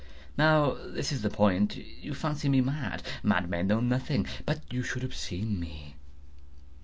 Now this is the point. You fancy me mad. Madmen know nothing. But you should have seen me.